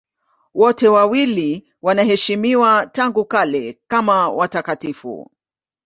Wote wawili wanaheshimiwa tangu kale kama watakatifu.